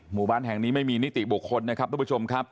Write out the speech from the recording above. หมู่บ้านแห่งนี้ไม่มีนิติบุคคลนะครับทุกผู้ชมครับ